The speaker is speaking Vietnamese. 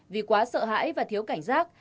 vì quá sợ hãi và thiếu cảnh giác